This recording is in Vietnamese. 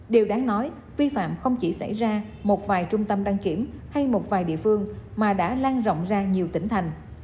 điều đáng nói vi phạm không chỉ xảy ra một vài trung tâm đăng kiểm hay một vài địa phương mà đã lan rộng ra nhiều tỉnh thành